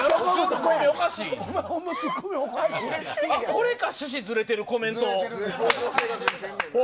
これか趣旨ずれてるコメント。